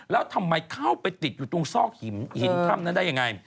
แล้วทำไมเข้าไปติดอยู่ตรงซอกหินถ้ำนั้นได้ยังไง